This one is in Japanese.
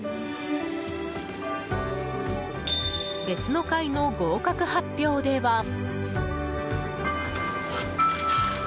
別の回の合格発表では。